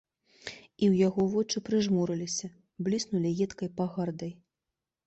І ў яго вочы прыжмурыліся, бліснулі едкай пагардай.